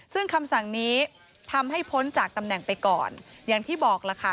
ซึ่งคำสั่งนี้ทำให้พ้นจากตำแหน่งไปก่อนอย่างที่บอกล่ะค่ะ